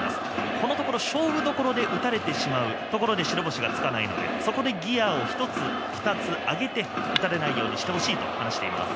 このところ勝負どころで打たれてしまうところで白星がつかないのでそこでギヤを１つ、２つ上げて打たれないようにしてほしいと話しています。